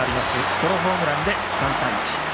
ソロホームランで３対１。